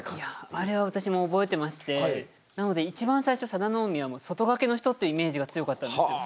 あれは私も覚えてましてなので一番最初佐田の海は外掛けの人っていうイメージが強かったんですよ。